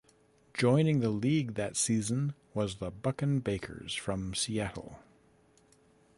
Joining the league that season was the Buchan Bakers from Seattle.